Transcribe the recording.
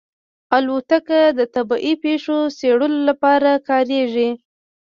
الوتکه د طبیعي پېښو څېړلو لپاره کارېږي.